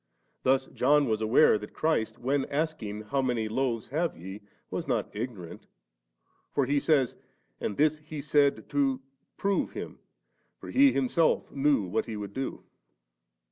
Thus John was aware that Christ, when asking; 'How many loaves have ye ?' was not ignorant, for he says, * And this He said to prove him, for He Himself knew what He would do *